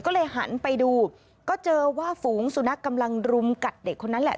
ก็เลยหันไปดูก็เจอว่าฝูงสุนัขกำลังรุมกัดเด็กคนนั้นแหละ